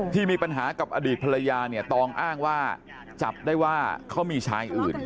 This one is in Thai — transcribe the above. ที่มีปัญหากับอดีตภรรยาเนี่ยตองอ้างว่าจับได้ว่าเขามีชายอื่น